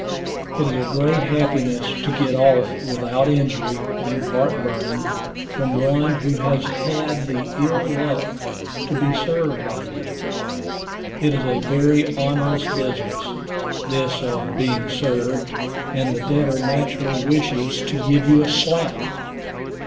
It is a great happiness to get off without injury and heart burning, from one who has had the ill luck to be served by you. It is a very onerous business, this of being served, and the debtor naturally wishes to give you a slap.